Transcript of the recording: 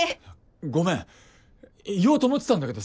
ごめん言おうと思ってたんだけどさ。